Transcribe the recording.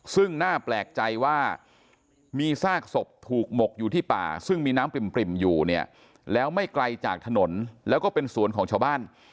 ซึ่งน่าแปลกใจว่ามีซากศพถูกหมกอยู่ที่ป่าซึ่งมีน้ำปริ่มอยู่เนี่ยแล้วไม่ไกลจากถนนแล้วก็เป็นสวนของชาวบ้าน